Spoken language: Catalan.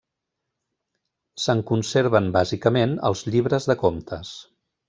Se’n conserven bàsicament els llibres de comptes.